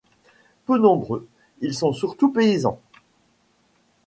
Peu nombreux, ils sont surtout paysans.